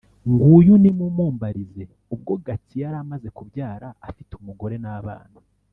nguyu nimumumbarize." Ubwo Gatsi yari amaze kubyara; afite umugore n'abana.